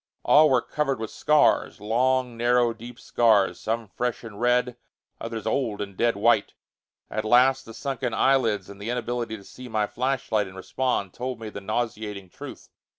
All were covered with scars; long, narrow, deep scars, some fresh and red, others old and dead white. At last, the sunken eyelids and the inability to see my flashlight and respond told me the nauseating truth.